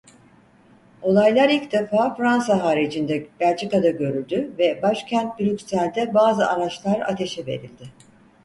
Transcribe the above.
Olaylar ilk defa Fransa haricinde Belçika'da görüldü ve başkent Brüksel'de bazı araçlar ateşe verildi.